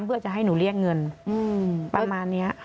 เพื่อจะให้หนูเรียกเงินประมาณนี้